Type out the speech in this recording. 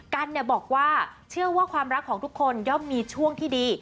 กันบอกว่าเชื่อว่าความรักของทุกคนย่อมมีช่วงที่ดี